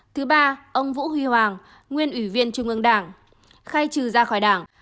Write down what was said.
thứ ba ông vũ huy hoàng nguyên ủy viên trung ương đảng khai trừ ra khỏi đảng